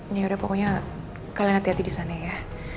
ya udah pokoknya kalian hati hati disana ya